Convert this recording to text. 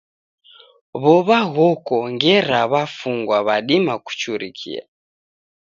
W'ow'a ghoko ngera w'afungwa w'adima kuchurikia.